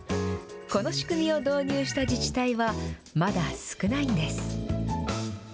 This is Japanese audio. この仕組みを導入した自治体は、まだ少ないんです。